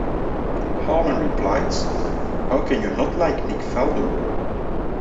Harmon replied, How can you not like Nick Faldo?